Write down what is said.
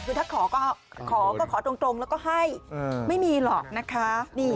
คือถ้าขอก็ขอก็ขอตรงแล้วก็ให้ไม่มีหรอกนะคะ